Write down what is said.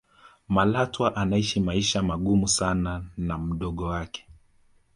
malatwa anaisha maisha magumu sana na mdogo wake